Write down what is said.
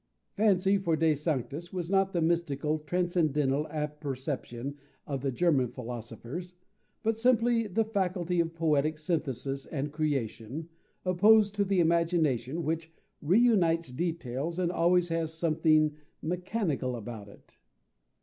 Fancy for De Sanctis was not the mystical transcendental apperception of the German philosophers, but simply the faculty of poetic synthesis and creation, opposed to the imagination, which reunites details and always has something mechanical about it.